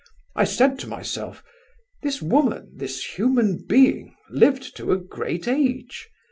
I said to myself, 'This woman, this human being, lived to a great age.